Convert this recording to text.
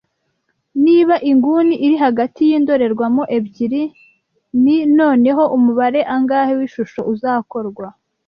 Niba inguni iri hagati yindorerwamo ebyiri ni °; noneho umubare angahe w'ishusho uzakorwa